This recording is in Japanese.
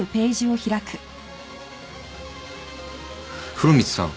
風呂光さん。